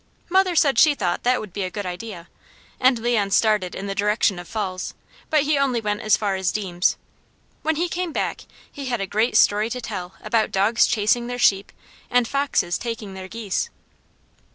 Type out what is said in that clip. Mother said she thought that would be a good idea, and Leon started in the direction of Falls', but he only went as far as Deams'. When he came back he had a great story to tell about dogs chasing their sheep, and foxes taking their geese.